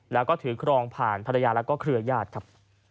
แล้วก็ถือครองผ่านภรรยาแล้วก็เครือญาติครับ